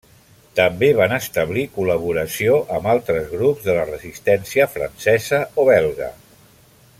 També van establir col·laboració amb altres grups de la resistència francesa o belga.